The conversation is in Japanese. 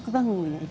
はい。